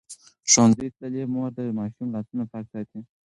ښوونځې تللې مور د ماشوم لاسونه پاک ساتي.